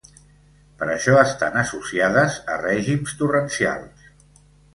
Per això estan associades a règims torrencials.